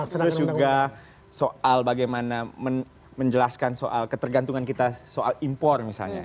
terus juga soal bagaimana menjelaskan soal ketergantungan kita soal impor misalnya